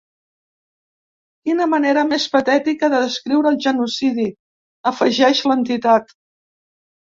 Quina manera més patètica de descriure el genocidi, afegeix l’entitat.